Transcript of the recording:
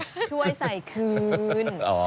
ช่วยใส่คืน